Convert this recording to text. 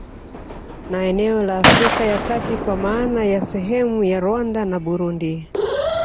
Na eneo la Afrika ya kati kwa maana ya sehemu ya Rwanda na Burundi